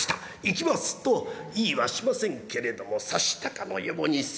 行きます」と言いはしませんけれども察したかのようにスッと乗りいだす。